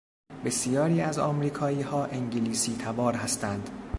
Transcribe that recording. بسیاری از امریکاییها انگلیسیتبار هستند.